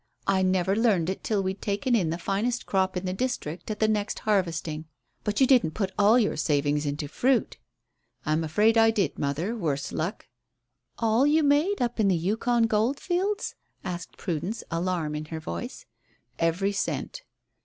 I never learned it till we'd taken in the finest crop in the district at the next harvesting. But you didn't put all your savings into fruit?" "I'm afraid I did, mother, worse luck." "All you made up at the Yukon goldfields?" asked Prudence, alarm in her voice. "Every cent."